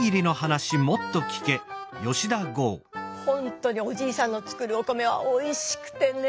ほんとにおじいさんの作るお米はおいしくてね。